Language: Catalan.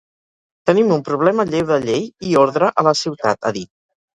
Tenim un problema lleu de llei i ordre a la ciutat, ha dit.